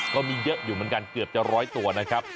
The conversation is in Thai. ก็มีเยอะอยู่เหมือนกันเกือบจะร้อยตัวนะครับ